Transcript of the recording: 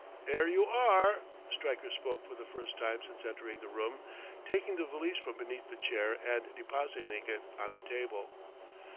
"'Ere you are." Stryker spoke for the first time since entering the room, taking the valise from beneath the chair and depositing it on the table.